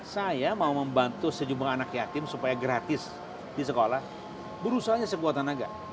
saya mau membantu sejumlah anak yatim supaya gratis di sekolah berusaha sebuah tenaga